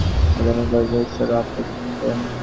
আধুনিক বৌদ্ধগণ ঈশ্বর ও আত্মায় বিশ্বাস করেন।